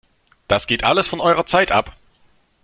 Das geht alles von eurer Zeit ab!